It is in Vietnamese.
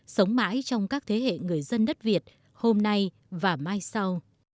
sống mãi trong các thế hệ người dân đất việt hôm nay và mai sau